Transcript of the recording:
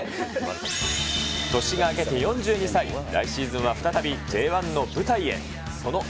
年が明けて４２歳、来シーズンは再びＪ１の舞台へ。